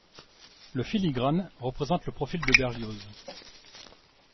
Le filigrane représente le profil de Berlioz.